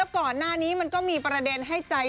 ก่อนหน้านี้มันก็มีประเด็นให้ใจ